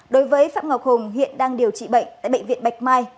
đối với phạm ngọc hùng hiện đang điều trị bệnh tại bệnh viện bạch mai